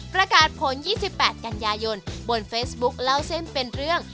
ประกาศผล๒๘กันยายนบนเฟซบุ๊คเล่าเส้นเป็นเรื่อง